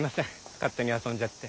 勝手に遊んじゃって。